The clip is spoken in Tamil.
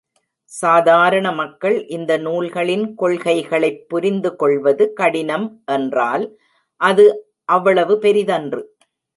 சாதாரண மக்கள் இந்த நூல்களின் கொள்கைகளைப் புரிந்துகொள்வது கடினம் என்றால், அது அவ்வளவு பெரிதன்று.